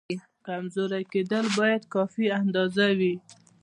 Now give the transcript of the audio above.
کمزوری کېدل باید کافي اندازه وي.